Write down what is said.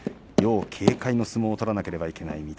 要警戒の相撲を取らなければならない。